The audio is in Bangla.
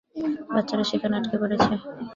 বাচ্চারা সেখানে আটকে পড়েছে।